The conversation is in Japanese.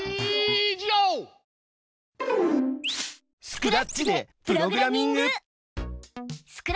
スクラッチでプログラミング！